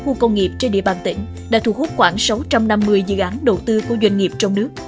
khu công nghiệp trên địa bàn tỉnh đã thu hút khoảng sáu trăm năm mươi dự án đầu tư của doanh nghiệp trong nước